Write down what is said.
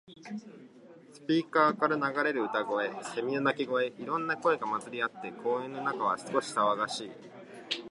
スピーカーから流れる歌声、セミの鳴き声。いろんな音が混ざり合って、公園の中は少し騒がしい。